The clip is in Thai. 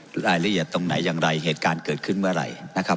รายละเอียดตรงไหนอย่างไรเหตุการณ์เกิดขึ้นเมื่อไหร่นะครับ